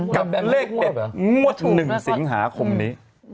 กับเลข๑สิงหาคมนี้